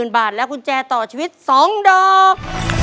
๑๐๐๐๐บาทแล้วคุณแจต่อชีวิต๒ดอก